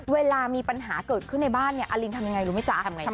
เวลามีปัญหาเกิดขึ้นในบ้านเนี่ยอลินทำยังไงรู้ไหมจ๊ะ